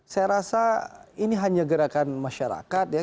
saya rasa ini hanya gerakan masyarakat ya